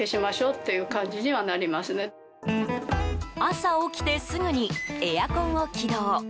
朝起きてすぐにエアコンを起動。